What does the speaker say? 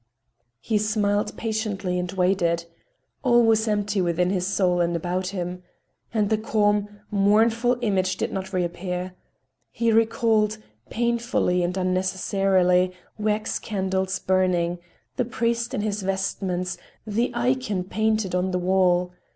He smiled patiently and waited. All was empty within his soul and about him. And the calm, mournful image did not reappear. He recalled, painfully and unnecessarily, wax candles burning; the priest in his vestments; the ikon painted on the wall.